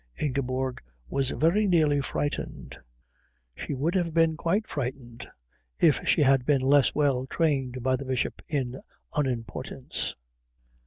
Ingeborg was very nearly frightened. She would have been quite frightened if she had been less well trained by the Bishop in unimportance.